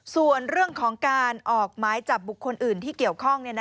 ส่วนเรื่องของการออกหมายจับบุคคลอื่นที่เกี่ยวข้อง